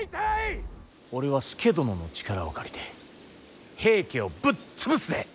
俺は佐殿の力を借りて平家をぶっ潰すぜ。